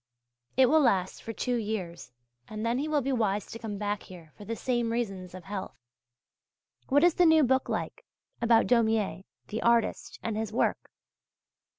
It will last for two years, and then he will be wise to come back here for the same reasons of health. What is the new book like, about Daumier, the Artist and his Work?